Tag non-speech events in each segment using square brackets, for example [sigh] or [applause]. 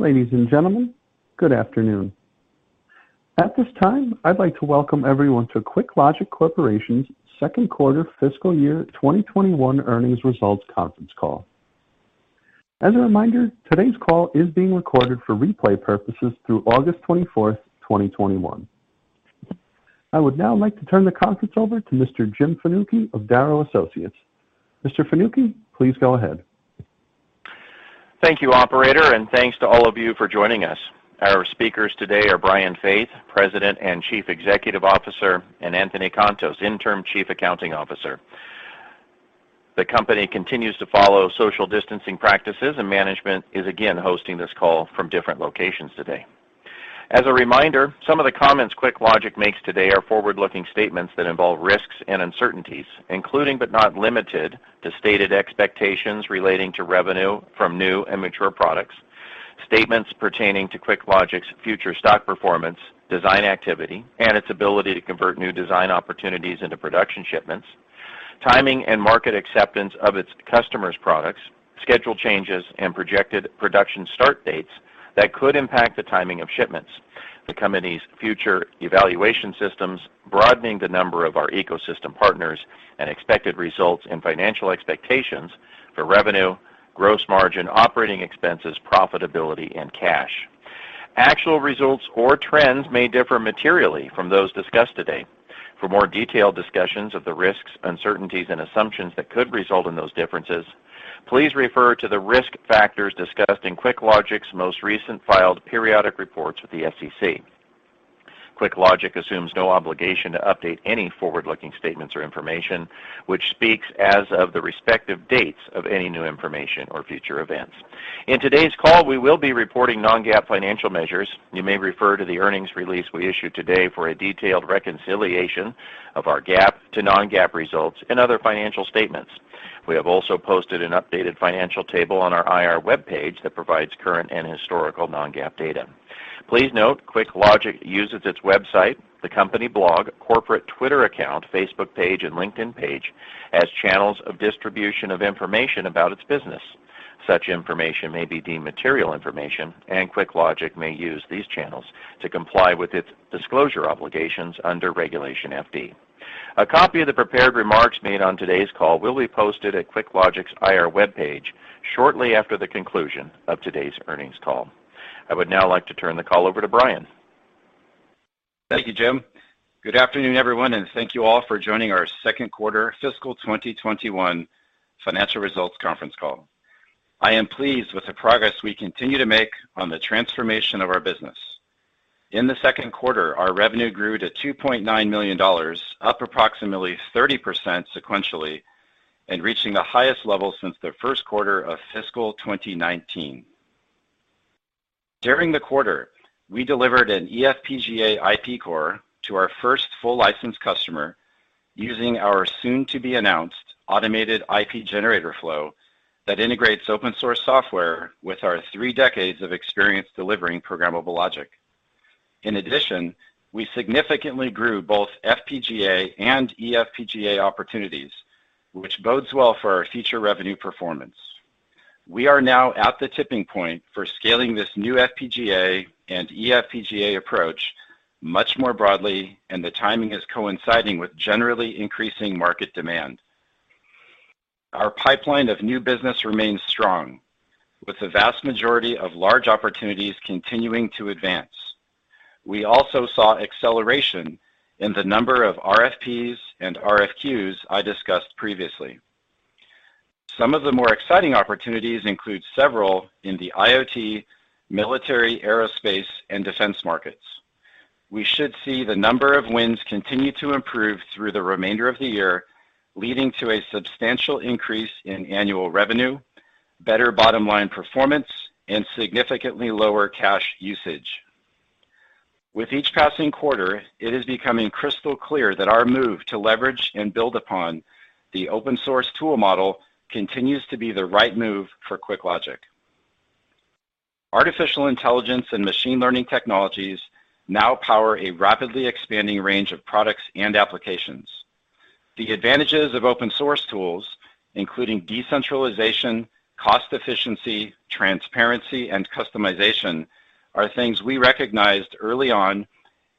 Ladies and gentlemen, good afternoon. At this time, I'd like to welcome everyone to QuickLogic Corporation's second quarter fiscal year 2021 earnings results conference call. As a reminder, today's call is being recorded for replay purposes through August 24th, 2021. I would now like to turn the conference over to Mr. Jim Fanucchi of Darrow Associates. Mr. Fanucchi, please go ahead. Thank you, operator, and thanks to all of you for joining us. Our speakers today are Brian Faith, President and Chief Executive Officer, and Anthony Contos, Interim Chief Accounting Officer. The company continues to follow social distancing practices, and management is again hosting this call from different locations today. As a reminder, some of the comments QuickLogic makes today are forward-looking statements that involve risks and uncertainties, including but not limited to stated expectations relating to revenue from new and mature products, statements pertaining to QuickLogic's future stock performance, design activity, and its ability to convert new design opportunities into production shipments, timing and market acceptance of its customers' products, schedule changes, and projected production start dates that could impact the timing of shipments, the company's future evaluation systems, broadening the number of our ecosystem partners, and expected results and financial expectations for revenue, gross margin, operating expenses, profitability, and cash. Actual results or trends may differ materially from those discussed today. For more detailed discussions of the risks, uncertainties, and assumptions that could result in those differences, please refer to the risk factors discussed in QuickLogic's most recent filed periodic reports with the SEC. QuickLogic assumes no obligation to update any forward-looking statements or information which speaks as of the respective dates of any new information or future events. In today's call, we will be reporting non-GAAP financial measures. You may refer to the earnings release we issued today for a detailed reconciliation of our GAAP to non-GAAP results and other financial statements. We have also posted an updated financial table on our IR webpage that provides current and historical non-GAAP data. Please note, QuickLogic uses its website, the company blog, corporate Twitter account, Facebook page, and LinkedIn page as channels of distribution of information about its business. Such information may be deemed material information, and QuickLogic may use these channels to comply with its disclosure obligations under Regulation FD. A copy of the prepared remarks made on today's call will be posted at QuickLogic's IR webpage shortly after the conclusion of today's earnings call. I would now like to turn the call over to Brian. Thank you, Jim. Good afternoon, everyone. Thank you all for joining our second quarter fiscal 2021 financial results conference call. I am pleased with the progress we continue to make on the transformation of our business. In the second quarter, our revenue grew to $2.9 million, up approximately 30% sequentially and reaching the highest level since the first quarter of fiscal 2019. During the quarter, we delivered an eFPGA IP core to our first full license customer using our soon-to-be-announced automated IP generator flow that integrates open source software with our three decades of experience delivering programmable logic. We significantly grew both FPGA and eFPGA opportunities, which bodes well for our future revenue performance. We are now at the tipping point for scaling this new FPGA and eFPGA approach much more broadly, and the timing is coinciding with generally increasing market demand. Our pipeline of new business remains strong, with the vast majority of large opportunities continuing to advance. We also saw acceleration in the number of RFPs and RFQs I discussed previously. Some of the more exciting opportunities include several in the IoT, military, aerospace, and defense markets. We should see the number of wins continue to improve through the remainder of the year, leading to a substantial increase in annual revenue, better bottom-line performance, and significantly lower cash usage. With each passing quarter, it is becoming crystal clear that our move to leverage and build upon the open source tool model continues to be the right move for QuickLogic. Artificial intelligence and machine learning technologies now power a rapidly expanding range of products and applications. The advantages of open source tools, including decentralization, cost efficiency, transparency, and customization are things we recognized early on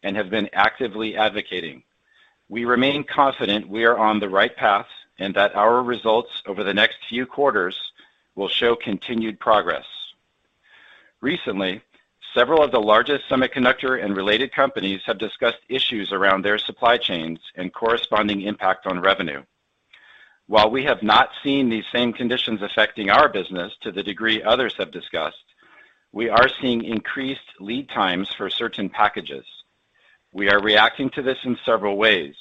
and have been actively advocating. We remain confident we are on the right path, and that our results over the next few quarters will show continued progress. Recently, several of the largest semiconductor and related companies have discussed issues around their supply chains and corresponding impact on revenue. While we have not seen these same conditions affecting our business to the degree others have discussed, we are seeing increased lead times for certain packages. We are reacting to this in several ways,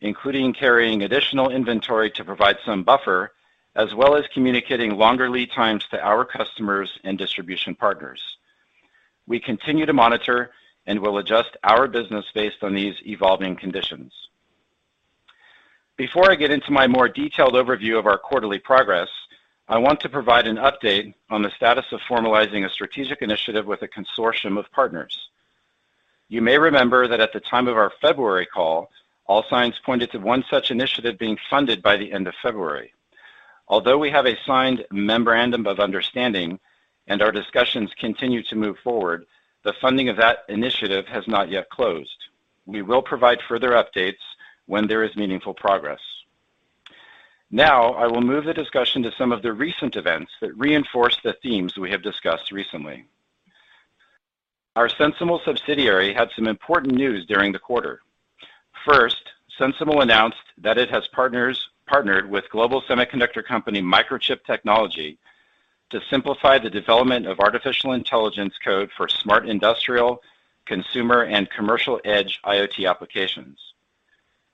including carrying additional inventory to provide some buffer, as well as communicating longer lead times to our customers and distribution partners. We continue to monitor and will adjust our business based on these evolving conditions. Before I get into my more detailed overview of our quarterly progress, I want to provide an update on the status of formalizing a strategic initiative with a consortium of partners. You may remember that at the time of our February call, all signs pointed to one such initiative being funded by the end of February. Although we have a signed memorandum of understanding and our discussions continue to move forward, the funding of that initiative has not yet closed. We will provide further updates when there is meaningful progress. Now, I will move the discussion to some of the recent events that reinforce the themes we have discussed recently. Our SensiML subsidiary had some important news during the quarter. First, SensiML announced that it has partnered with global semiconductor company, Microchip Technology, to simplify the development of artificial intelligence code for smart industrial, consumer, and commercial edge IoT applications.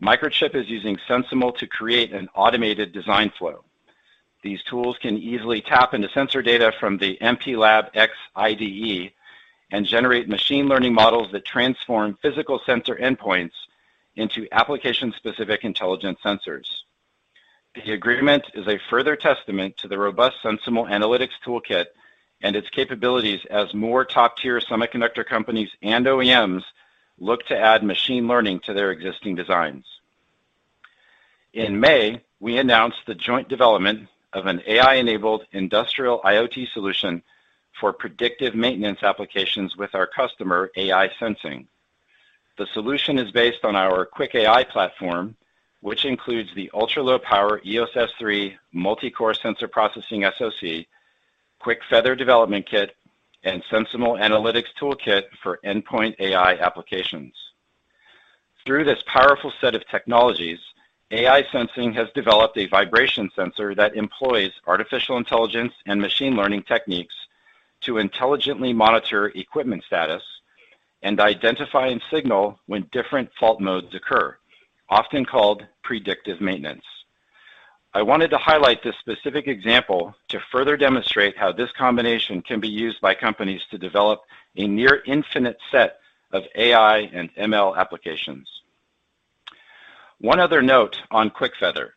Microchip is using SensiML to create an automated design flow. These tools can easily tap into sensor data from the MPLAB X IDE and generate machine learning models that transform physical sensor endpoints into application-specific intelligent sensors. The agreement is a further testament to the robust SensiML analytics toolkit and its capabilities as more top-tier semiconductor companies and OEMs look to add machine learning to their existing designs. In May, we announced the joint development of an AI-enabled industrial IoT solution for predictive maintenance applications with our customer, aiSensing. The solution is based on our QuickAI platform, which includes the ultra-low power EOS S3 multi-core sensor processing SoC, QuickFeather development kit, and SensiML analytics toolkit for endpoint AI applications. Through this powerful set of technologies, aiSensing has developed a vibration sensor that employs artificial intelligence and machine learning techniques to intelligently monitor equipment status and identify and signal when different fault modes occur, often called predictive maintenance. I wanted to highlight this specific example to further demonstrate how this combination can be used by companies to develop a near infinite set of AI and ML applications. One other note on QuickFeather.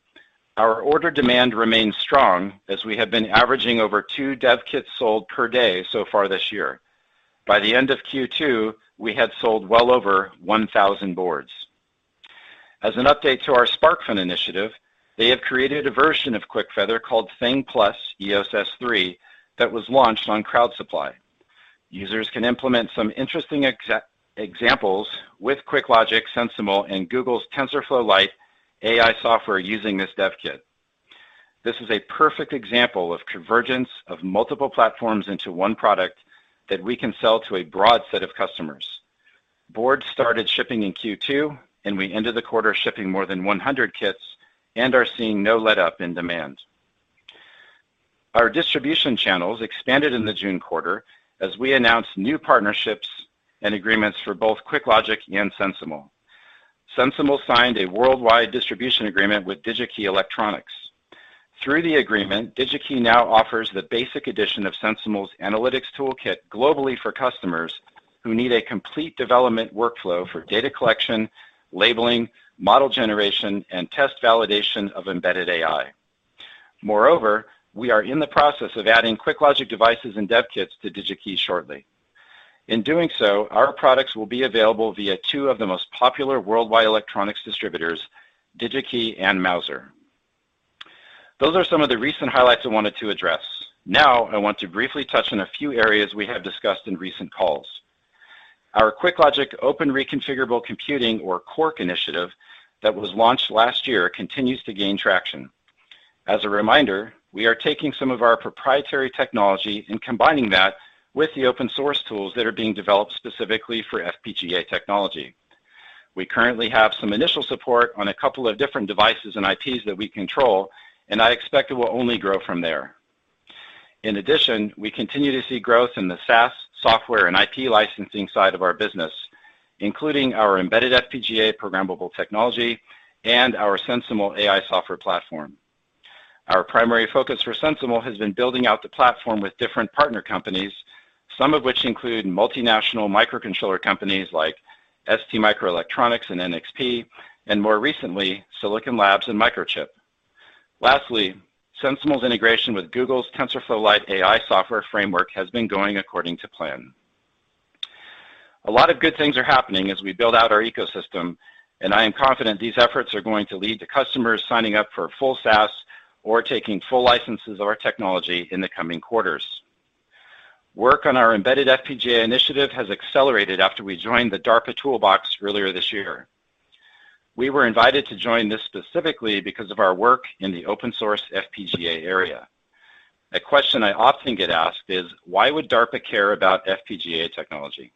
Our order demand remains strong as we have been averaging over two dev kits sold per day so far this year. By the end of Q2, we had sold well over 1,000 boards. As an update to our SparkFun initiative, they have created a version of QuickFeather called Thing Plus EOS S3 that was launched on Crowd Supply. Users can implement some interesting examples with QuickLogic, SensiML, and Google's TensorFlow Lite AI software using this dev kit. This is a perfect example of convergence of multiple platforms into one product that we can sell to a broad set of customers. Boards started shipping in Q2, and we ended the quarter shipping more than 100 kits and are seeing no letup in demand. Our distribution channels expanded in the June quarter as we announced new partnerships and agreements for both QuickLogic and SensiML. SensiML signed a worldwide distribution agreement with DigiKey Electronics. Through the agreement, DigiKey now offers the basic edition of SensiML's analytics toolkit globally for customers who need a complete development workflow for data collection, labeling, model generation, and test validation of embedded AI. Moreover, we are in the process of adding QuickLogic devices and dev kits to DigiKey shortly. In doing so, our products will be available via two of the most popular worldwide electronics distributors, DigiKey and Mouser. Those are some of the recent highlights I wanted to address. Now, I want to briefly touch on a few areas we have discussed in recent calls. Our QuickLogic Open Reconfigurable Computing, or QORC initiative, that was launched last year continues to gain traction. As a reminder, we are taking some of our proprietary technology and combining that with the open source tools that are being developed specifically for FPGA technology. We currently have some initial support on a couple of different devices and IPs that we control, and I expect it will only grow from there. In addition, we continue to see growth in the SaaS software and IP licensing side of our business, including our embedded FPGA programmable technology and our SensiML AI software platform. Our primary focus for SensiML has been building out the platform with different partner companies, some of which include multinational microcontroller companies like STMicroelectronics and NXP, and more recently, Silicon Labs and Microchip. Lastly, SensiML's integration with Google's TensorFlow Lite AI software framework has been going according to plan. A lot of good things are happening as we build out our ecosystem, and I am confident these efforts are going to lead to customers signing up for full SaaS or taking full licenses of our technology in the coming quarters. Work on our embedded FPGA initiative has accelerated after we joined the DARPA Toolbox earlier this year. We were invited to join this specifically because of our work in the open source FPGA area. A question I often get asked is, why would DARPA care about FPGA technology?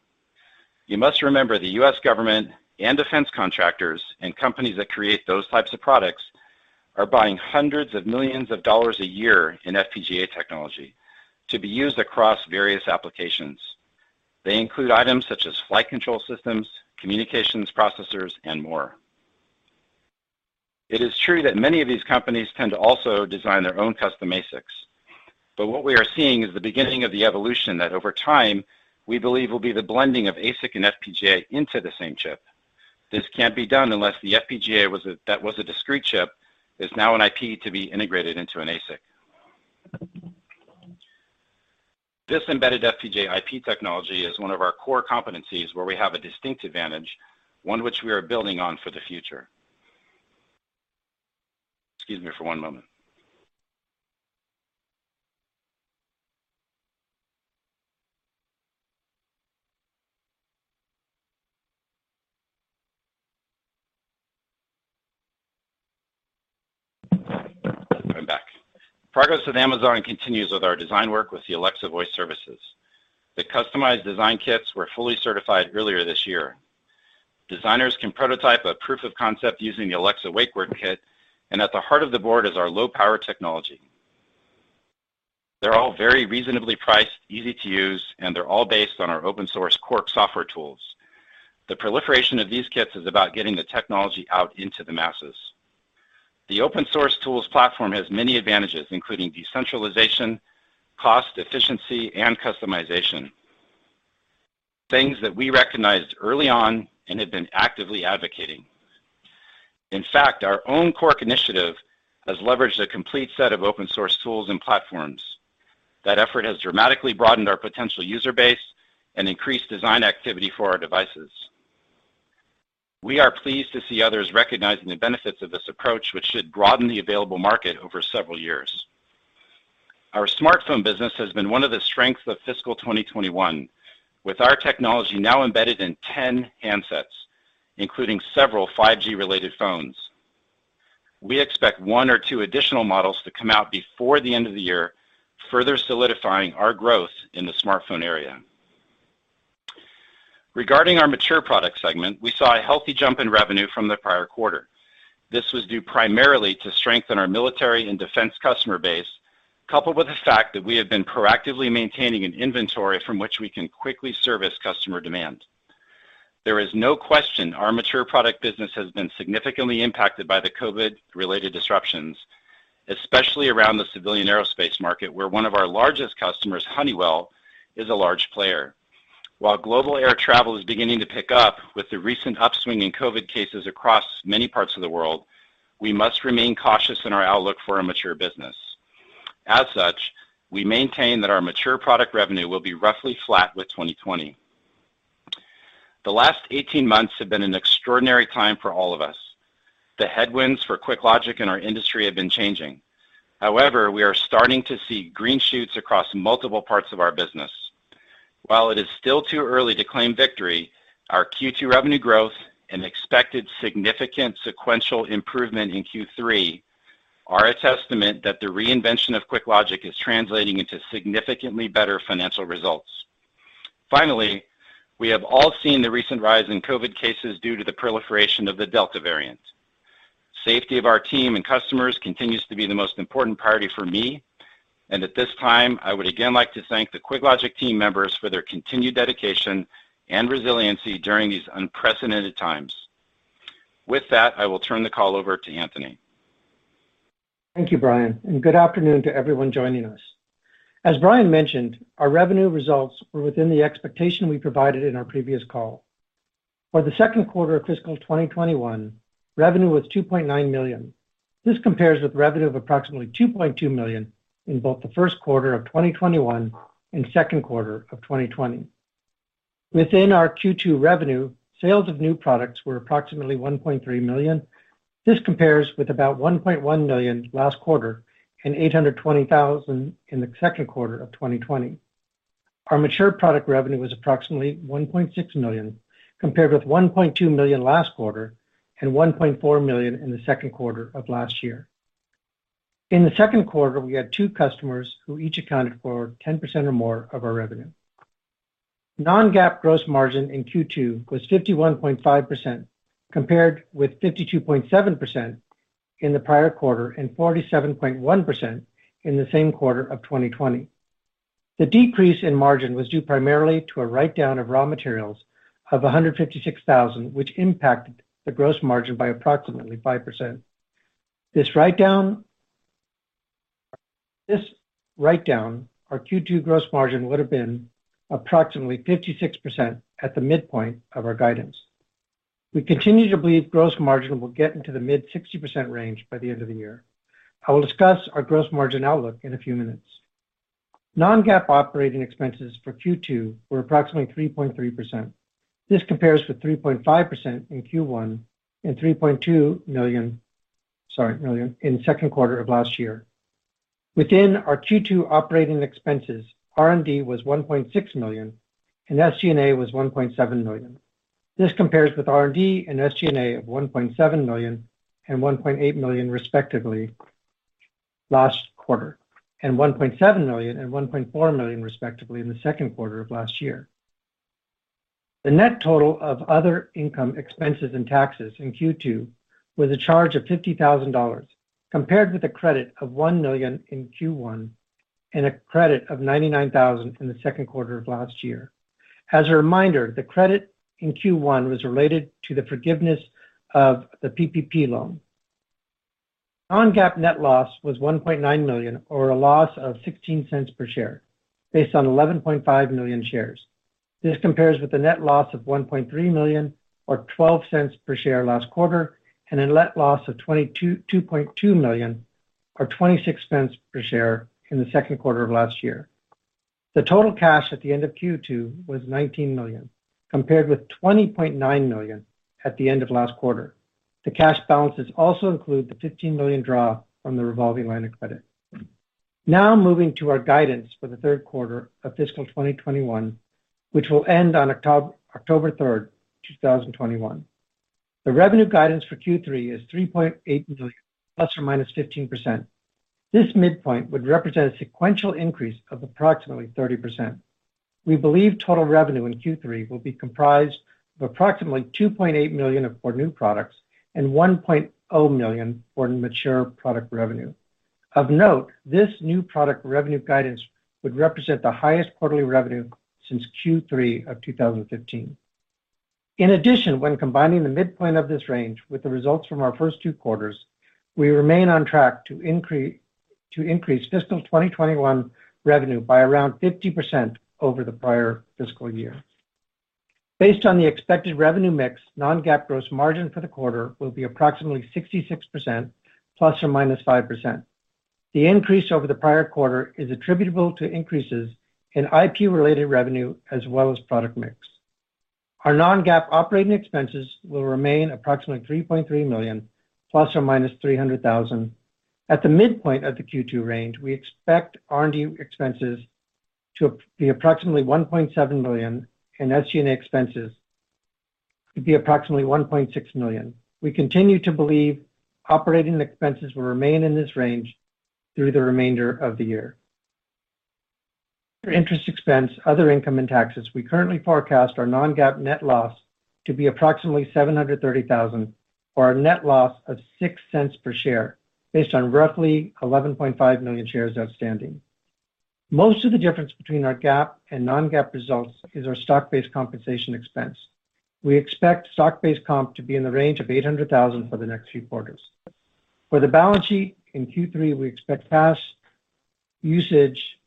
You must remember the U.S. government and defense contractors and companies that create those types of products are buying hundreds of millions of dollars a year in FPGA technology to be used across various applications. They include items such as flight control systems, communications processors, and more. It is true that many of these companies tend to also design their own custom ASICs, but what we are seeing is the beginning of the evolution that over time, we believe will be the blending of ASIC and FPGA into the same chip. This can't be done unless the FPGA that was a discrete chip is now an IP to be integrated into an ASIC. This embedded FPGA IP technology is one of our core competencies where we have a distinct advantage, one which we are building on for the future. Excuse me for one moment. I'm back. Progress with Amazon continues with our design work with the Alexa Voice Service. The customized design kits were fully certified earlier this year. Designers can prototype a proof of concept using the Alexa wake word kit. At the heart of the board is our low-power technology. They're all very reasonably priced, easy to use. They're all based on our open-source QORC software tools. The proliferation of these kits is about getting the technology out into the masses. The open-source tools platform has many advantages, including decentralization, cost efficiency, and customization, things that we recognized early on and have been actively advocating. In fact, our own QORC initiative has leveraged a complete set of open-source tools and platforms. That effort has dramatically broadened our potential user base and increased design activity for our devices. We are pleased to see others recognizing the benefits of this approach, which should broaden the available market over several years. Our smartphone business has been one of the strengths of fiscal 2021, with our technology now embedded in 10 handsets, including several 5G-related phones. We expect one or two additional models to come out before the end of the year, further solidifying our growth in the smartphone area. Regarding our mature product segment, we saw a healthy jump in revenue from the prior quarter. This was due primarily to strength in our military and defense customer base, coupled with the fact that we have been proactively maintaining an inventory from which we can quickly service customer demand. There is no question our mature product business has been significantly impacted by the COVID-related disruptions, especially around the civilian aerospace market, where one of our largest customers, Honeywell, is a large player. While global air travel is beginning to pick up with the recent upswing in COVID cases across many parts of the world, we must remain cautious in our outlook for a mature business. As such, we maintain that our mature product revenue will be roughly flat with 2020. The last 18 months have been an extraordinary time for all of us. The headwinds for QuickLogic and our industry have been changing. However, we are starting to see green shoots across multiple parts of our business. While it is still too early to claim victory, our Q2 revenue growth and expected significant sequential improvement in Q3 are a testament that the reinvention of QuickLogic is translating into significantly better financial results. Finally, we have all seen the recent rise in COVID cases due to the proliferation of the Delta variant. Safety of our team and customers continues to be the most important priority for me. At this time, I would again like to thank the QuickLogic team members for their continued dedication and resiliency during these unprecedented times. With that, I will turn the call over to Anthony. Thank you, Brian, and good afternoon to everyone joining us. As Brian mentioned, our revenue results were within the expectation we provided in our previous call. For the second quarter of fiscal 2021, revenue was $2.9 million. This compares with revenue of approximately $2.2 million in both the first quarter of 2021 and second quarter of 2020. Within our Q2 revenue, sales of new products were approximately $1.3 million. This compares with about $1.1 million last quarter and $820,000 in the second quarter of 2020. Our mature product revenue was approximately $1.6 million, compared with $1.2 million last quarter and $1.4 million in the second quarter of last year. In the second quarter, we had two customers who each accounted for 10% or more of our revenue. Non-GAAP gross margin in Q2 was 51.5%, compared with 52.7% in the prior quarter and 47.1% in the same quarter of 2020. The decrease in margin was due primarily to a write-down of raw materials of $156,000, which impacted the gross margin by approximately 5%. This write-down, our Q2 gross margin would have been approximately 56% at the midpoint of our guidance. We continue to believe gross margin will get into the mid-60% range by the end of the year. I will discuss our gross margin outlook in a few minutes. Non-GAAP operating expenses for Q2 were approximately 3.3%. This compares with 3.5% in Q1 and $3.2 million in the second quarter of last year. Within our Q2 operating expenses, R&D was $1.6 million and SG&A was $1.7 million. This compares with R&D and SG&A of $1.7 million and $1.8 million respectively last quarter, and $1.7 million and $1.4 million respectively in the second quarter of last year. The net total of other income expenses and taxes in Q2 was a charge of $50,000, compared with a credit of $1 million in Q1 and a credit of $99,000 in the second quarter of last year. As a reminder, the credit in Q1 was related to the forgiveness of the PPP loan. Non-GAAP net loss was $1.9 million or a loss of $0.16 per share based on 11.5 million shares. This compares with the net loss of $1.3 million or $0.12 per share last quarter, and a net loss of $22.2 million or $0.26 per share in the second quarter of last year. The total cash at the end of Q2 was $19 million, compared with $20.9 million at the end of last quarter. The cash balances also include the $15 million draw from the revolving line of credit. Moving to our guidance for the third quarter of fiscal 2021, which will end on October 3rd, 2021. The revenue guidance for Q3 is $3.8 million ±15%. This midpoint would represent a sequential increase of approximately 30%. We believe total revenue in Q3 will be comprised of approximately $2.8 million for new products and $1.0 million for mature product revenue. Of note, this new product revenue guidance would represent the highest quarterly revenue since Q3 of 2015. When combining the midpoint of this range with the results from our first two quarters, we remain on track to increase fiscal 2021 revenue by around 50% over the prior fiscal year. Based on the expected revenue mix, non-GAAP gross margin for the quarter will be approximately 66% ±5%. The increase over the prior quarter is attributable to increases in IP-related revenue as well as product mix. Our non-GAAP operating expenses will remain approximately $3.3 million ±$300,000. At the midpoint of the Q2 range, we expect R&D expenses to be approximately $1.7 million and SG&A expenses to be approximately $1.6 million. We continue to believe operating expenses will remain in this range through the remainder of the year. For interest expense, other income and taxes, we currently forecast our non-GAAP net loss to be approximately $730,000, or a net loss of $0.06 per share, based on roughly 11.5 million shares outstanding. Most of the difference between our GAAP and non-GAAP results is our stock-based compensation expense. We expect stock-based comp to be in the range of $800,000 for the next few quarters. For the balance sheet, in Q3, we expect cash usage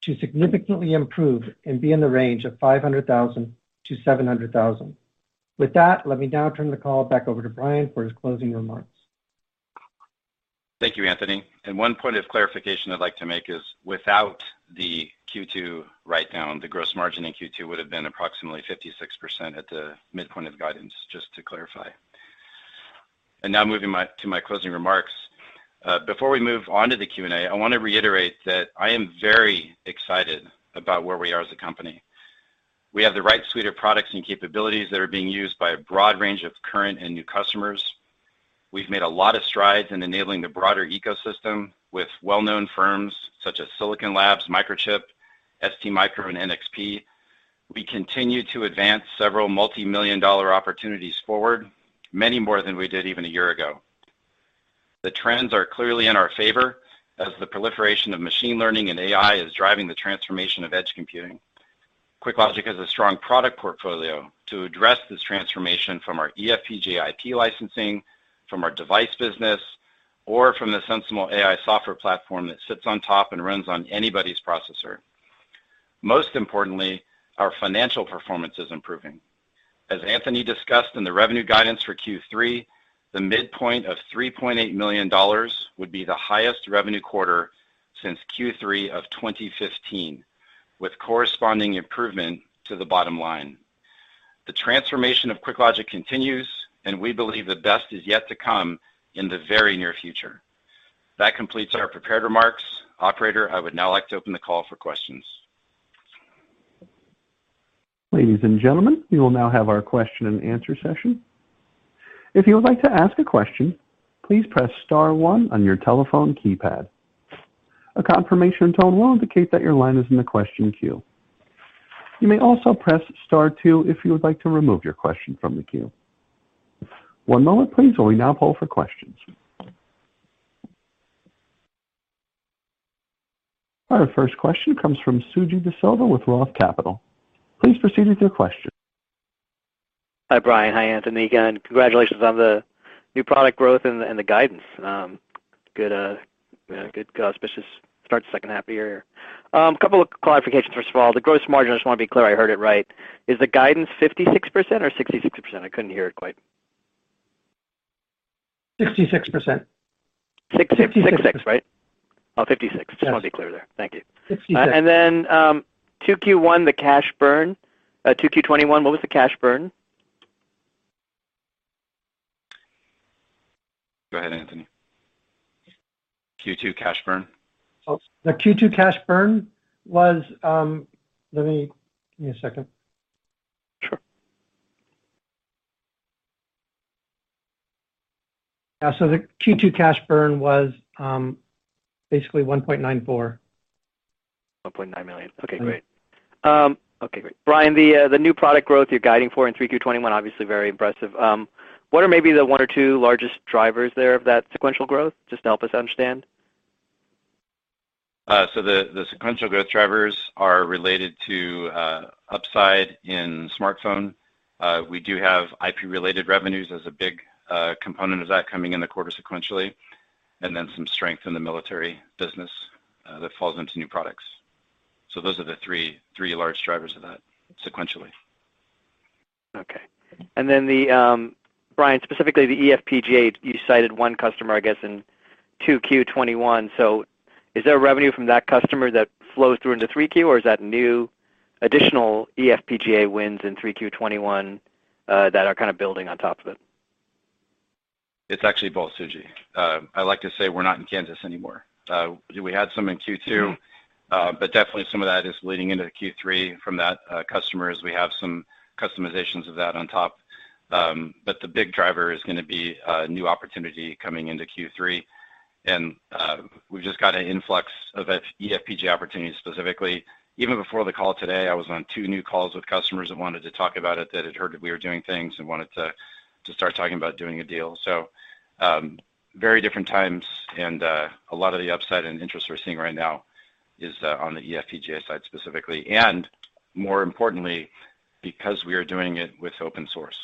to significantly improve and be in the range of $500,000-$700,000. With that, let me now turn the call back over to Brian for his closing remarks. Thank you, Anthony. One point of clarification I'd like to make is without the Q2 write-down, the gross margin in Q2 would have been approximately 56% at the midpoint of guidance, just to clarify. Now moving to my closing remarks. Before we move on to the Q&A, I want to reiterate that I am very excited about where we are as a company. We have the right suite of products and capabilities that are being used by a broad range of current and new customers. We've made a lot of strides in enabling the broader ecosystem with well-known firms such as Silicon Labs, Microchip, STMicro, and NXP. We continue to advance several multimillion-dollar opportunities forward, many more than we did even a year ago. The trends are clearly in our favor as the proliferation of machine learning and AI is driving the transformation of edge computing. QuickLogic has a strong product portfolio to address this transformation from our eFPGA IP licensing, from our device business, or from the SensiML AI software platform that sits on top and runs on anybody's processor. Most importantly, our financial performance is improving. As Anthony discussed in the revenue guidance for Q3, the midpoint of $3.8 million would be the highest revenue quarter since Q3 of 2015, with corresponding improvement to the bottom line. The transformation of QuickLogic continues, and we believe the best is yet to come in the very near future. That completes our prepared remarks. Operator, I would now like to open the call for questions. Our first question comes from Suji Desilva with Roth Capital. Please proceed with your question. Hi, Brian. Hi, Anthony. Again, congratulations on the new product growth and the guidance. Good, auspicious start to the second half of the year. A couple of clarifications. First of all, the gross margin, I just want to be clear I heard it right. Is the guidance 56% or 66%? I couldn't hear it quite. 66%. 66%, right? Oh, 56%. Yes. Just want to be clear there. Thank you. 56%. 2Q1, the cash burn. 2Q 2021, what was the cash burn? Go ahead, Anthony. Q2 cash burn. Oh, the Q2 cash burn was, give me a second. Sure. The Q2 cash burn was basically $1.94 million. $1.9 million. Okay, great. Brian, the new product growth you're guiding for in 3Q 2021, obviously very impressive. What are maybe the one or two largest drivers there of that sequential growth? Just to help us understand. The sequential growth drivers are related to upside in smartphone. We do have IP-related revenues as a big component of that coming in the quarter sequentially. Some strength in the military business that falls into new products. Those are the three large drivers of that sequentially. Okay. Brian, specifically the eFPGA, you cited one customer, I guess, in 2Q 2021. Is there revenue from that customer that flows through into 3Q, or is that new additional eFPGA wins in 3Q 2021 that are kind of building on top of it? It's actually both, Suji. I like to say we're not in Kansas anymore. We had some in Q2, but definitely some of that is leading into Q3 from that customer as we have some customizations of that on top. The big driver is going to be a new opportunity coming into Q3, and we've just got an influx of eFPGA opportunities specifically. Even before the call today, I was on two new calls with customers that wanted to talk about it, that had heard that we were doing things and wanted to start talking about doing a deal. Very different times and a lot of the upside and interest we're seeing right now is on the eFPGA side specifically, and more importantly, because we are doing it with open source.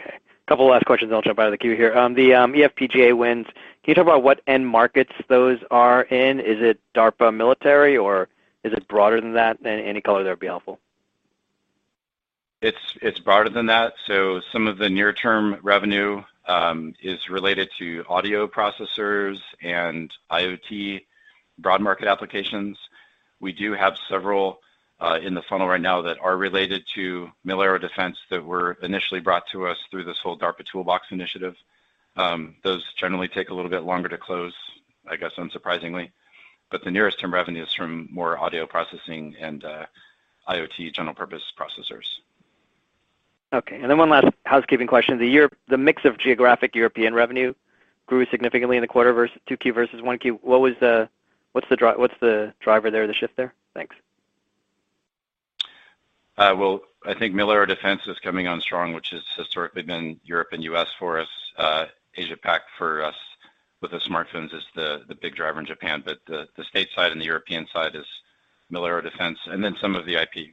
Okay. Couple last questions then I'll jump out of the queue here. The eFPGA wins. Can you talk about what end markets those are in? Is it DARPA military or is it broader than that? Any color there would be helpful. It's broader than that. Some of the near-term revenue is related to audio processors and IoT broad market applications. We do have several in the funnel right now that are related to military defense that were initially brought to us through this whole DARPA Toolbox initiative. Those generally take a little bit longer to close, I guess, unsurprisingly. The nearest term revenue is from more audio processing and IoT general purpose processors. Okay, one last housekeeping question. The mix of geographic European revenue grew significantly in the quarter versus 2Q versus 1Q. What's the driver there, the shift there? Thanks. Well, I think military defense is coming on strong, which has historically been Europe and U.S. for us. Asia Pac for us with the smartphones is the big driver in Japan, the stateside and the European side is military defense. Some of the IP,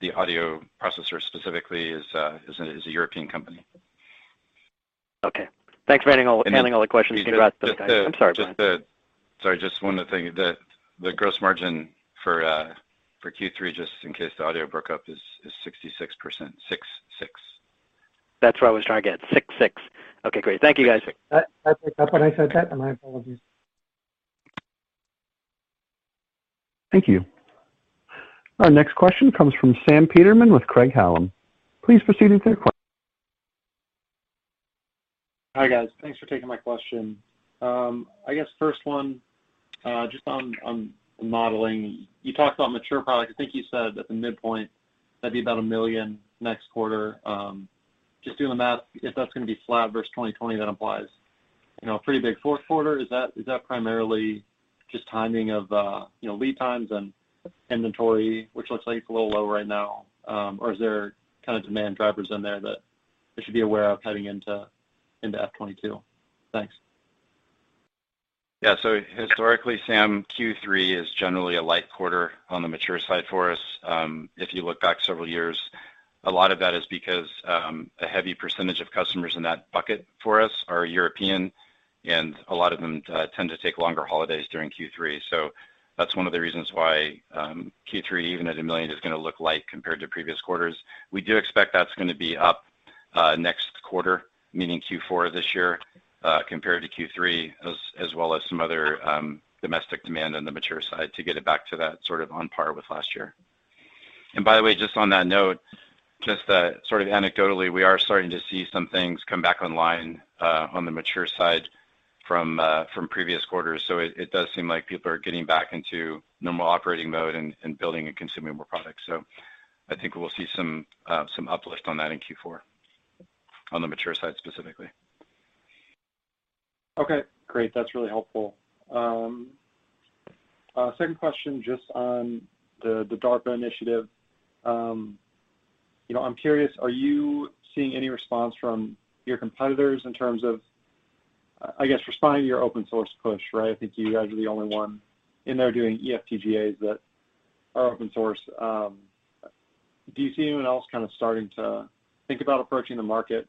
the audio processor specifically is a European company. Okay. Thanks for handling all the questions. [crosstalk] And just the- I'm sorry, Brian. Sorry, just one other thing. The gross margin for Q3, just in case the audio broke up, is 66%. 66%. That's what I was trying to get, 66%. Okay, great. Thank you, guys. I picked up when I said that. My apologies. Thank you. Our next question comes from Sam Peterman with Craig-Hallum. Please proceed with your question. Hi, guys. Thanks for taking my question. I guess first one, just on the modeling, you talked about mature products. I think you said that the midpoint, that'd be about $1 million next quarter. Just doing the math, if that's going to be flat versus 2020, that implies a pretty big fourth quarter. Is that primarily just timing of lead times and inventory, which looks like it's a little low right now, or is there kind of demand drivers in there that we should be aware of heading into FY 2022? Thanks. Historically, Sam, Q3 is generally a light quarter on the mature side for us. If you look back several years, a lot of that is because a heavy percentage of customers in that bucket for us are European, a lot of them tend to take longer holidays during Q3. That's one of the reasons why Q3, even at $1 million, is going to look light compared to previous quarters. We do expect that's going to be up next quarter, meaning Q4 this year, compared to Q3, as well as some other domestic demand on the mature side to get it back to that sort of on par with last year. By the way, just on that note, just sort of anecdotally, we are starting to see some things come back online on the mature side from previous quarters. It does seem like people are getting back into normal operating mode and building and consuming more products. I think we'll see some uplift on that in Q4 on the mature side specifically. Okay, great. That's really helpful. Second question just on the DARPA initiative. I'm curious, are you seeing any response from your competitors in terms of, I guess, responding to your open source push, right? I think you guys are the only one in there doing eFPGAs that are open source. Do you see anyone else kinda starting to think about approaching the market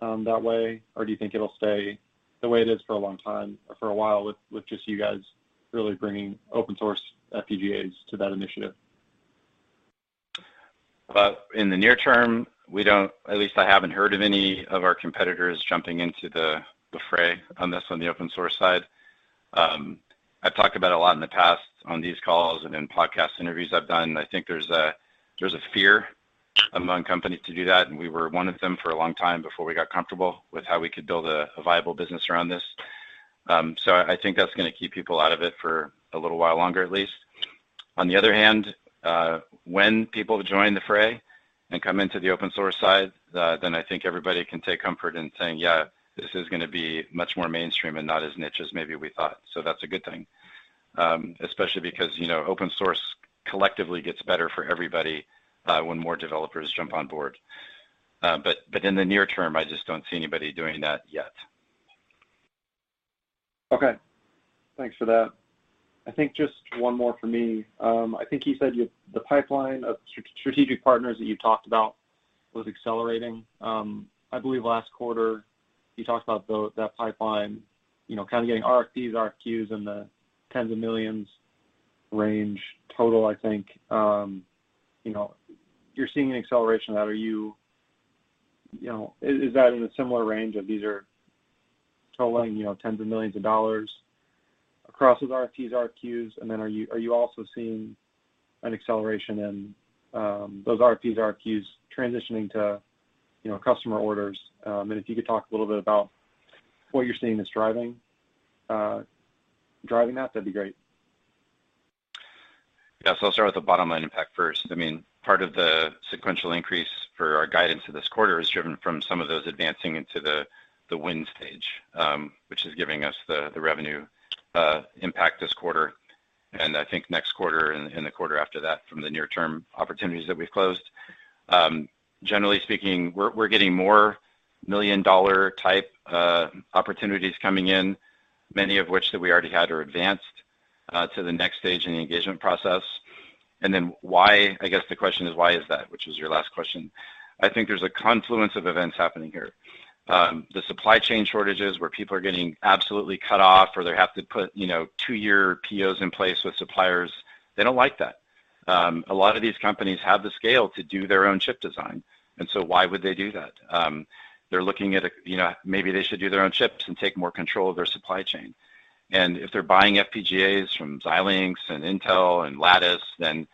that way? Or do you think it'll stay the way it is for a long time, or for a while with just you guys really bringing open source FPGAs to that initiative? In the near term, we don't, at least I haven't heard of any of our competitors jumping into the fray on this, on the open source side. I've talked about it a lot in the past on these calls and in podcast interviews I've done. I think there's a fear among companies to do that, and we were one of them for a long time before we got comfortable with how we could build a viable business around this. I think that's going to keep people out of it for a little while longer, at least. On the other hand, when people join the fray and come into the open source side, then I think everybody can take comfort in saying, "Yeah, this is going to be much more mainstream and not as niche as maybe we thought." That's a good thing. Especially because open source collectively gets better for everybody when more developers jump on board. In the near term, I just don't see anybody doing that yet. Okay. Thanks for that. I think just one more from me. I think you said the pipeline of strategic partners that you talked about was accelerating. I believe last quarter you talked about that pipeline, kind of getting RFPs, RFQs in the tens of millions range total, I think. You're seeing an acceleration of that. Is that in a similar range of these are totaling tens of millions across those RFPs, RFQs? Are you also seeing an acceleration in those RFPs, RFQs transitioning to customer orders? If you could talk a little bit about what you're seeing is driving that'd be great. Yeah. I'll start with the bottom line impact first. Part of the sequential increase for our guidance for this quarter is driven from some of those advancing into the win stage, which is giving us the revenue impact this quarter, and I think next quarter and the quarter after that from the near-term opportunities that we've closed. Generally speaking, we're getting more million-dollar type opportunities coming in, many of which that we already had are advanced to the next stage in the engagement process. Why, I guess the question is why is that, which is your last question. I think there's a confluence of events happening here. The supply chain shortages where people are getting absolutely cut off or they have to put two-year POs in place with suppliers, they don't like that. A lot of these companies have the scale to do their own chip design. Why would they do that? They're looking at maybe they should do their own chips and take more control of their supply chain. If they're buying FPGAs from Xilinx and Intel and Lattice, then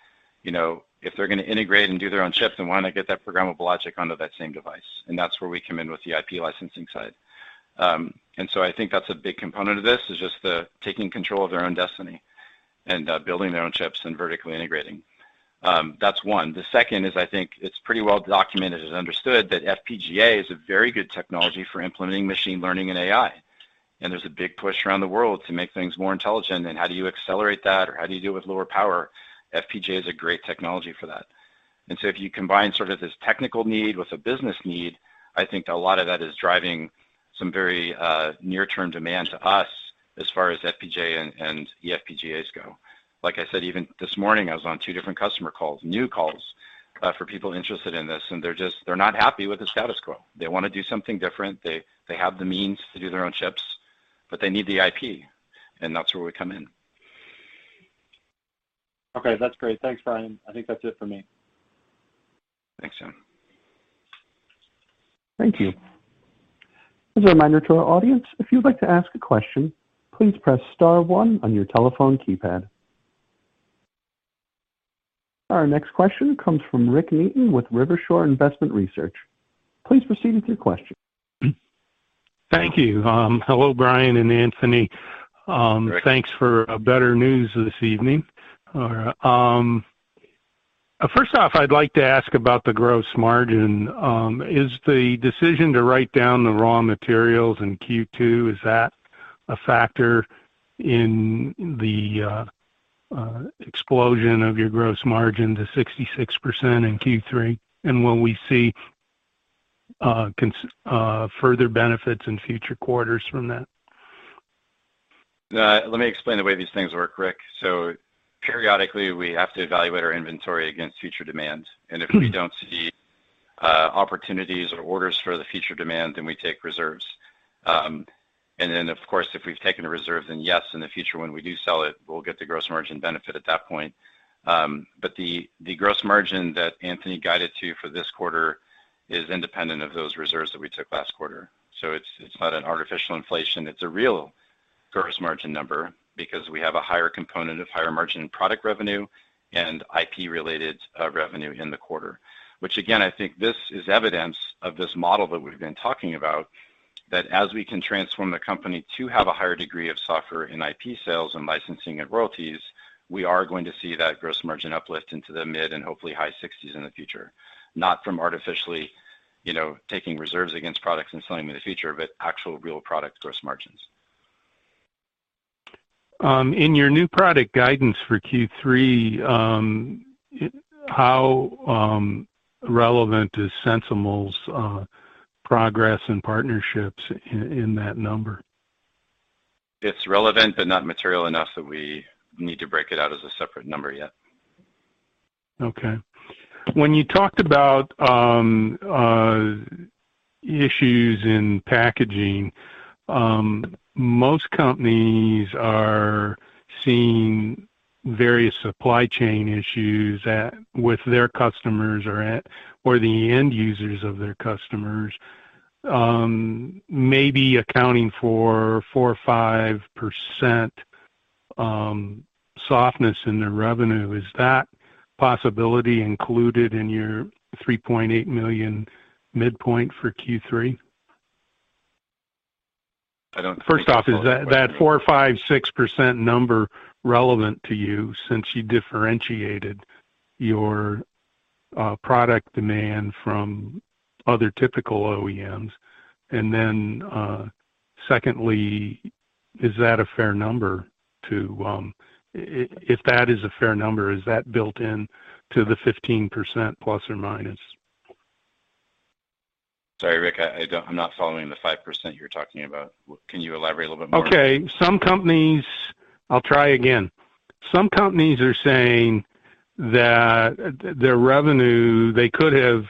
if they're going to integrate and do their own chips, then why not get that programmable logic onto that same device? That's where we come in with the IP licensing side. I think that's a big component of this, is just the taking control of their own destiny and building their own chips and vertically integrating. That's one. The second is I think it's pretty well documented and understood that FPGA is a very good technology for implementing machine learning and AI. There's a big push around the world to make things more intelligent, and how do you accelerate that or how do you do it with lower power? FPGA is a great technology for that. If you combine sort of this technical need with a business need, I think a lot of that is driving some very near-term demand to us as far as FPGA and eFPGA's go. Like I said, even this morning I was on two different customer calls, new calls, for people interested in this and they're not happy with the status quo. They want to do something different. They have the means to do their own chips, but they need the IP, and that's where we come in. Okay. That's great. Thanks, Brian. I think that's it for me. Thanks, Sam. Thank you. As a reminder to our audience, if you'd like to ask a question, please press star one on your telephone keypad. Our next question comes from Rick Neaton with Rivershore Investment Research. Please proceed with your question. Thank you. Hello, Brian and Anthony. Rick. Thanks for better news this evening. First off, I'd like to ask about the gross margin. Is the decision to write down the raw materials in Q2, is that a factor in the explosion of your gross margin to 66% in Q3? Will we see further benefits in future quarters from that? Let me explain the way these things work, Rick. Periodically we have to evaluate our inventory against future demand. If we don't see opportunities or orders for the future demand, then we take reserves. Of course, if we've taken a reserve, then yes, in the future when we do sell it, we'll get the gross margin benefit at that point. The gross margin that Anthony guided to for this quarter is independent of those reserves that we took last quarter. It's not an artificial inflation, it's a real gross margin number because we have a higher component of higher margin product revenue and IP-related revenue in the quarter. Again, I think this is evidence of this model that we've been talking about, that as we can transform the company to have a higher degree of software in IP sales and licensing and royalties, we are going to see that gross margin uplift into the mid and hopefully high 60s in the future. Not from artificially taking reserves against products and selling them in the future, but actual real product gross margins. In your new product guidance for Q3, how relevant is SensiML's progress and partnerships in that number? It's relevant, but not material enough that we need to break it out as a separate number yet. Okay. When you talked about issues in packaging, most companies are seeing various supply chain issues with their customers or the end users of their customers, maybe accounting for 4% or 5% softness in their revenue. Is that possibility included in your $3.8 million midpoint for Q3? I don't fully follow the question. Is that 4%, 5%, 6% number relevant to you since you differentiated your product demand from other typical OEMs? Secondly, if that is a fair number, is that built in to the ±15%? Sorry, Rick, I'm not following the 5% you're talking about. Can you elaborate a little bit more? Okay. I'll try again. Some companies are saying that their revenue, they could have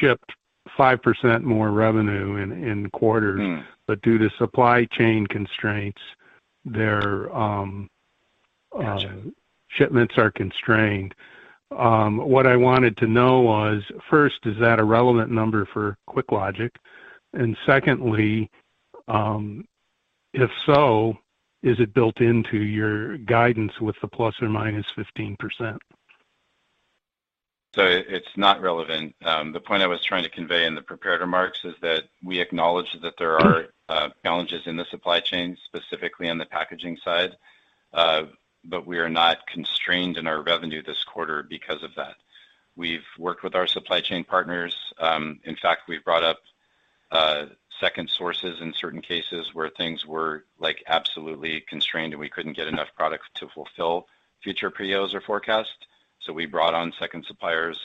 shipped 5% more revenue in quarters. But due to supply chain constraints- Got you.... their shipments are constrained. What I wanted to know was, first, is that a relevant number for QuickLogic? Secondly, if so, is it built into your guidance with the ±15%? It's not relevant. The point I was trying to convey in the prepared remarks is that we acknowledge that there are challenges in the supply chain, specifically on the packaging side. We are not constrained in our revenue this quarter because of that. We've worked with our supply chain partners. In fact, we've brought up second sources in certain cases where things were absolutely constrained, and we couldn't get enough product to fulfill future POs or forecasts. We brought on second suppliers,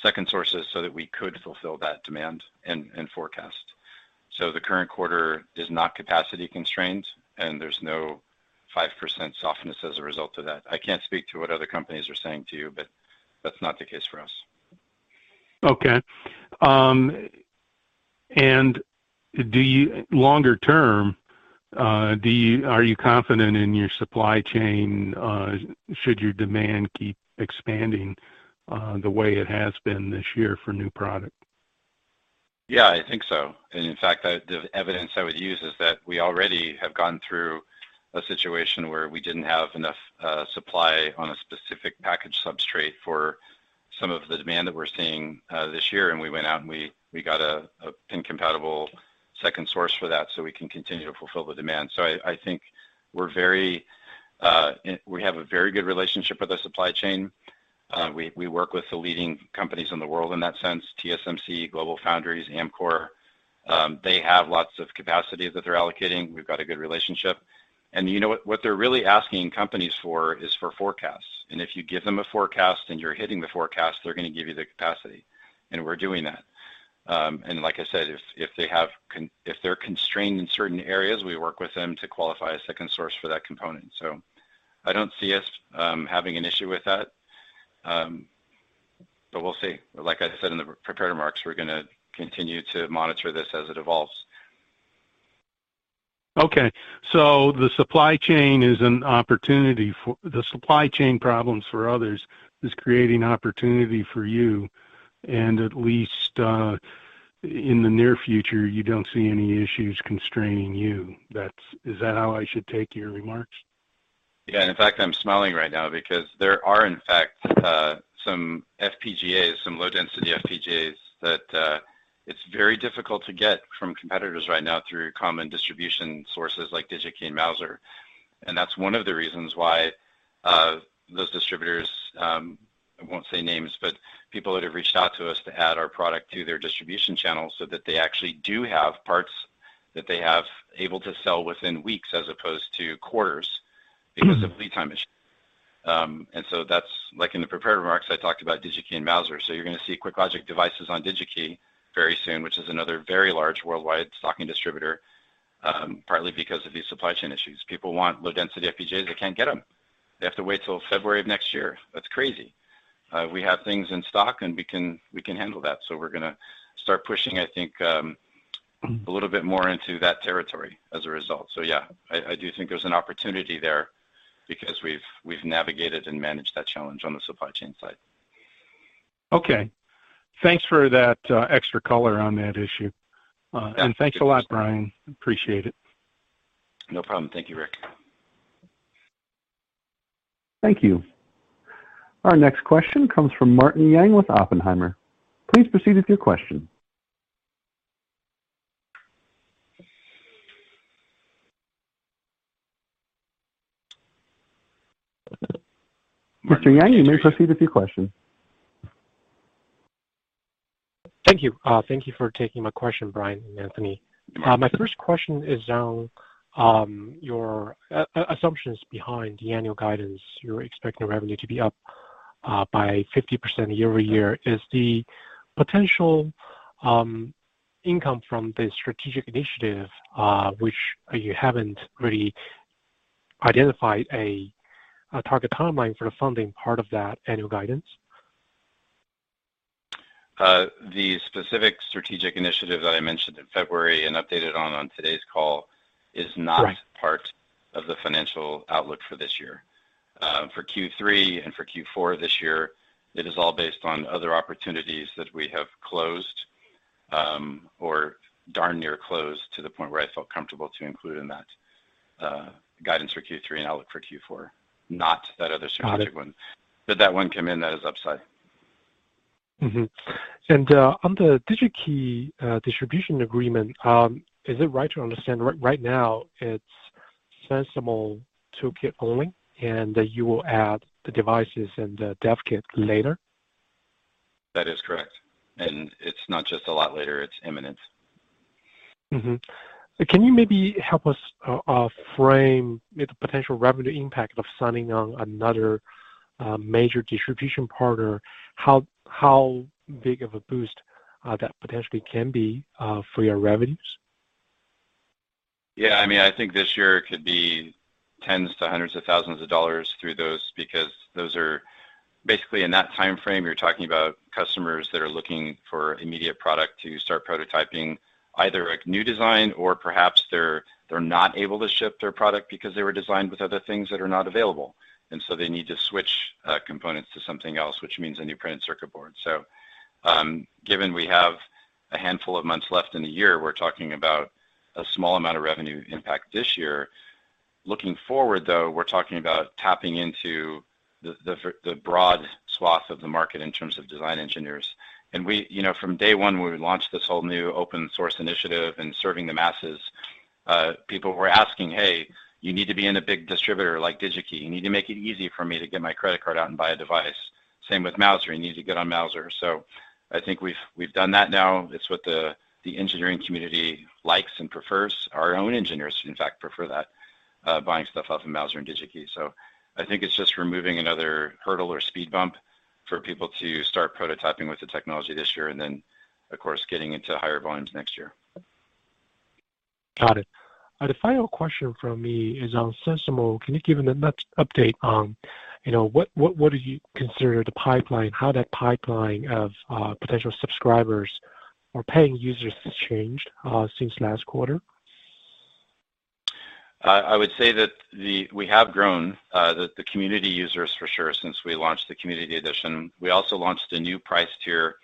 second sources, so that we could fulfill that demand and forecast. The current quarter is not capacity constrained, and there's no 5% softness as a result of that. I can't speak to what other companies are saying to you, but that's not the case for us. Okay. Longer term, are you confident in your supply chain, should your demand keep expanding the way it has been this year for new product? Yeah, I think so. In fact, the evidence I would use is that we already have gone through a situation where we didn't have enough supply on a specific package substrate for some of the demand that we're seeing this year, and we went out, and we got a pin-compatible second source for that so we can continue to fulfill the demand. I think we have a very good relationship with our supply chain. We work with the leading companies in the world in that sense, TSMC, GlobalFoundries, Amkor. They have lots of capacity that they're allocating. We've got a good relationship. You know what? What they're really asking companies for is for forecasts, and if you give them a forecast and you're hitting the forecast, they're going to give you the capacity, and we're doing that. Like I said, if they're constrained in certain areas, we work with them to qualify a second source for that component. I don't see us having an issue with that. We'll see. Like I said in the prepared remarks, we're going to continue to monitor this as it evolves. Okay, the supply chain problems for others is creating opportunity for you and at least, in the near future, you don't see any issues constraining you. Is that how I should take your remarks? Yeah, in fact, I'm smiling right now because there are, in fact, some FPGAs, some low-density FPGAs, that it's very difficult to get from competitors right now through common distribution sources like DigiKey and Mouser. That's one of the reasons why those distributors, I won't say names, but people that have reached out to us to add our product to their distribution channel so that they actually do have parts that they have able to sell within weeks as opposed to quarters. Because of lead time issues. That's like in the prepared remarks, I talked about DigiKey and Mouser. You're going to see QuickLogic devices on DigiKey very soon, which is another very large worldwide stocking distributor, partly because of these supply chain issues. People want low-density FPGAs. They can't get them. They have to wait till February of next year. That's crazy. We have things in stock, and we can handle that. We're going to start pushing, I think, a little bit more into that territory as a result. Yeah, I do think there's an opportunity there because we've navigated and managed that challenge on the supply chain side. Okay. Thanks for that extra color on that issue. Thanks a lot, Brian. Appreciate it. No problem. Thank you, Rick. Thank you. Our next question comes from Martin Yang with Oppenheimer. Please proceed with your question. Mr. Yang, you may proceed with your question. Thank you. Thank you for taking my question, Brian and Anthony. My first question is on your assumptions behind the annual guidance. You're expecting revenue to be up by 50% year-over-year. Is the potential income from the strategic initiative, which you haven't really identified a target timeline for the funding part of that annual guidance? The specific strategic initiative that I mentioned in February and updated on today's call, is not- Right.... part of the financial outlook for this year. For Q3 and for Q4 this year, it is all based on other opportunities that we have closed or darn near closed to the point where I felt comfortable to include in that guidance for Q3 and outlook for Q4, not that other strategic one. Got it. That one came in, that is upside. On the DigiKey distribution agreement, is it right to understand right now it's SensiML toolkit only, and that you will add the devices and the dev kit later? That is correct. It's not just a lot later, it's imminent. Can you maybe help us frame the potential revenue impact of signing on another major distribution partner? How big of a boost that potentially can be for your revenues? I think this year it could be tens to hundreds of thousands of dollars through those, because those are basically in that timeframe, you're talking about customers that are looking for immediate product to start prototyping, either a new design or perhaps they're not able to ship their product because they were designed with other things that are not available. They need to switch components to something else, which means a new printed circuit board. Given we have a handful of months left in the year, we're talking about a small amount of revenue impact this year. Looking forward, though, we're talking about tapping into the broad swath of the market in terms of design engineers. From day one, when we launched this whole new open source initiative and serving the masses, people were asking, "Hey, you need to be in a big distributor like DigiKey. You need to make it easy for me to get my credit card out and buy a device." Same with Mouser. "You need to get on Mouser." I think we've done that now. It's what the engineering community likes and prefers. Our own engineers, in fact, prefer that, buying stuff off of Mouser and DigiKey. I think it's just removing another hurdle or speed bump for people to start prototyping with the technology this year and then, of course, getting into higher volumes next year. Got it. The final question from me is on SensiML. Can you give an update on what do you consider the pipeline, how that pipeline of potential subscribers or paying users has changed since last quarter? I would say that we have grown the community users for sure since we launched the community edition. We also launched a new price tier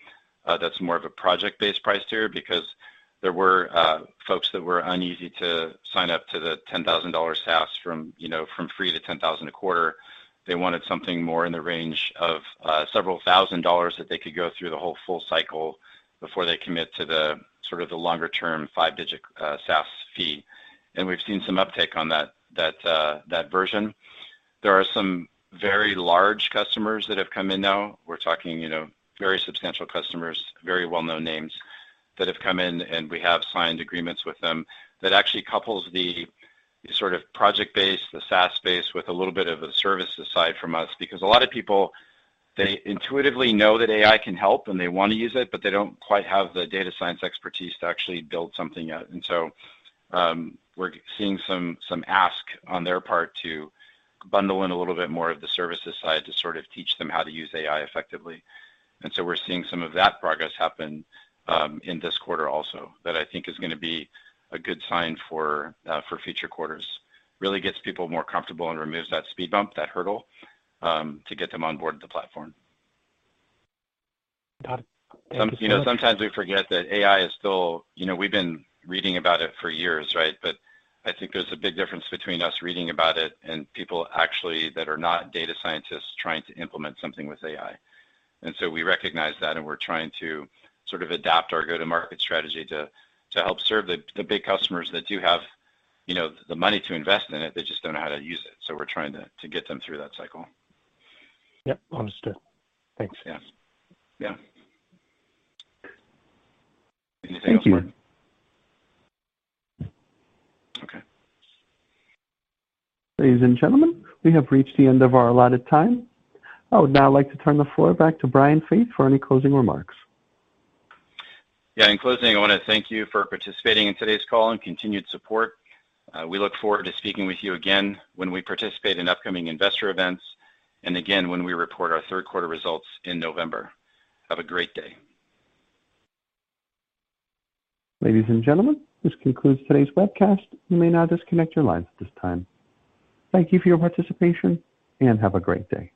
that's more of a project-based price tier because there were folks that were uneasy to sign up to the $10,000 SaaS from free to $10,000 a quarter. They wanted something more in the range of several thousand dollars that they could go through the whole full cycle before they commit to the sort of the longer-term five-digit SaaS fee. We've seen some uptake on that version. There are some very large customers that have come in now. We're talking very substantial customers, very well-known names that have come in, and we have signed agreements with them that actually couples the sort of project base, the SaaS base, with a little bit of a service aside from us. Because a lot of people, they intuitively know that AI can help, and they want to use it, but they don't quite have the data science expertise to actually build something yet. We're seeing some ask on their part to bundle in a little bit more of the services side to sort of teach them how to use AI effectively. We're seeing some of that progress happen in this quarter also that I think is going to be a good sign for future quarters. Really gets people more comfortable and removes that speed bump, that hurdle, to get them on board the platform. Got it. We've been reading about it for years, right? I think there's a big difference between us reading about it and people actually that are not data scientists trying to implement something with AI. We recognize that, and we're trying to sort of adapt our go-to-market strategy to help serve the big customers that do have the money to invest in it. They just don't know how to use it. We're trying to get them through that cycle. Yep, understood. Thanks. Yeah. Anything else? Thank you. Okay. Ladies and gentlemen, we have reached the end of our allotted time. I would now like to turn the floor back to Brian Faith for any closing remarks. Yeah. In closing, I want to thank you for participating in today's call and continued support. We look forward to speaking with you again when we participate in upcoming investor events, and again when we report our third quarter results in November. Have a great day. Ladies and gentlemen, this concludes today's webcast. You may now disconnect your lines at this time. Thank you for your participation, and have a great day.